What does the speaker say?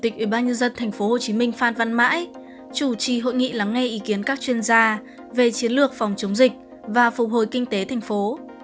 chủ tịch ủy ban nhân dân tp hcm phan văn mãi chủ trì hội nghị lắng nghe ý kiến các chuyên gia về chiến lược phòng chống dịch và phục hồi kinh tế thành phố